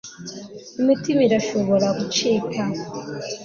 imitima irashobora gucika